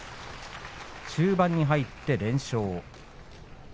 中盤に入って連勝。